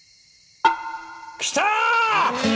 来た！